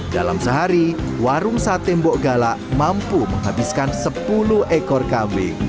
dalam sehari warung sate mbok gala mampu menghabiskan sepuluh ekor kambing